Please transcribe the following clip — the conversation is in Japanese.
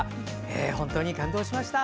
本当に感動しました。